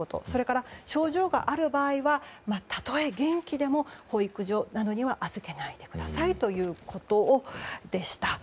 それから症状がある場合はたとえ元気でも保育所などには預けないでくださいということでした。